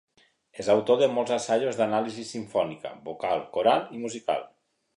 És autor de molts assajos d'anàlisi simfònica, vocal, coral i musical.